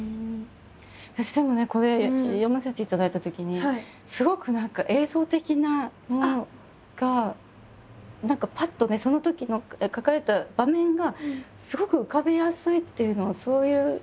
私でもねこれ読ませていただいたときにすごく何か映像的なものが何かパッとねそのときの書かれた場面がすごく浮かびやすいっていうのはそういうのはあるのかしら？